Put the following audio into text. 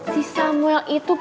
si samuel itu